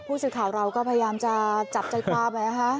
ผู้สื่อข่าวเราก็พยายามจะจับใจความนะคะ